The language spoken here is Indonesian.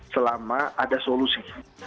selama ada solusi